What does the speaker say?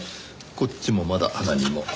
こっちもまだ何も。